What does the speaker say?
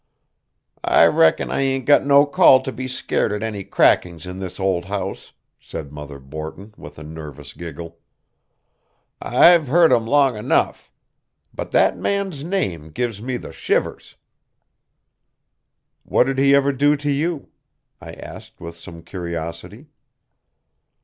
"I reckon I ain't got no call to be scared at any crackings in this old house," said Mother Borton with a nervous giggle. "I've hearn 'em long enough. But that man's name gives me the shivers." "What did he ever do to you?" I asked with some curiosity.